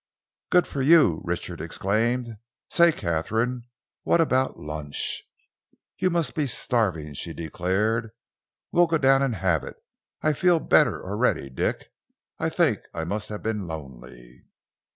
"Good for you!" Richard exclaimed. "Say, Katharine, what about lunch?" "You must be starving," she declared. "We'll go down and have it. I feel better already, Dick. I think I must have been lonely."